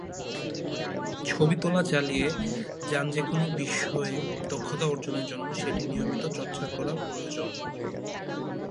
ছবি তোলা চালিয়ে যানযেকোনো বিষয়ে দক্ষতা অর্জনের জন্য সেটি নিয়মিত চর্চা করা প্রয়োজন।